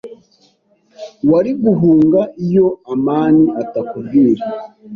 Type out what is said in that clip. Wari guhunga iyo amani atakubwira.